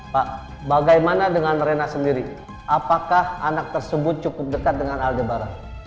pak bagaimana dengan rena sendiri apakah anak tersebut cukup dekat dengan al jabar